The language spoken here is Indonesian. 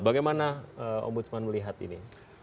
bagaimana ombudsman melihat ini